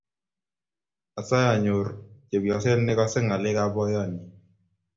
Asae anyoru chepnyoset negase ngalek kab boyonyi